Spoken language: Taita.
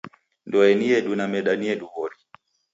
Ndoe ni yedu na meda ni yedu w'ori.